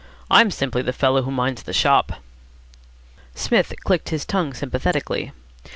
I'm simply the fellow who minds the shop." Psmith clicked his tongue sympathetically.